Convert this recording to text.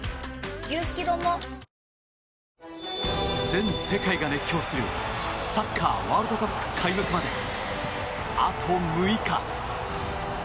全世界が熱狂するサッカーワールドカップ開幕まで、あと６日。